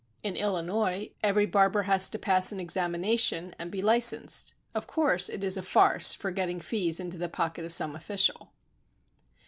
In Illinois every barber has to pass an examination and be licensed. Of course it is a farce for getting fees into the pocket of some official.